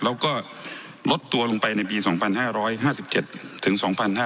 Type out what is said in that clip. แล้วก็ลดตัวลงไปในปี๒๕๕๗ถึง๒๕๕๙